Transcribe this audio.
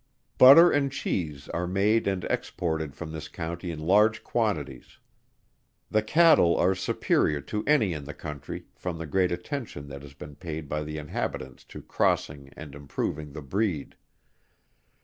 Butter and cheese are made and exported from this county in large quantities. The cattle are superior to any in the country from the great attention that has been paid by the inhabitants to crossing and improving the breed.